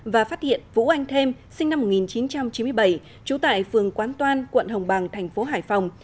và phát hiện vũ anh thêm sinh năm một nghìn chín trăm chín mươi bảy trú tại phường quán toan quận hồng bàng thành phố hải phòng